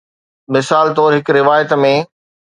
مثال طور، هڪ روايت ۾